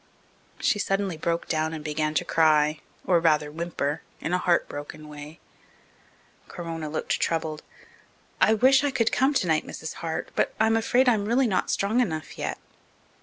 She suddenly broke down and began to cry, or rather whimper, in a heart broken way. Corona looked troubled. "I wish I could come tonight, Mrs. Hart, but I'm afraid I'm really not strong enough yet."